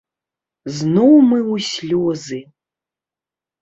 Зноў мы ў слёзы.